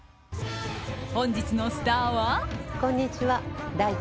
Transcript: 本日のスターは。